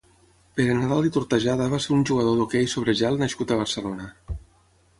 Pere Nadal i Tortajada va ser un jugador d'hoquei sobre gel nascut a Barcelona.